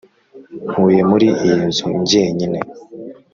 ntuye muri iyi nzu jyenyine.